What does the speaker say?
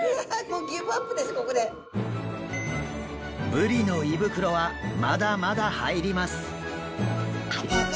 ブリの胃袋はまだまだ入ります！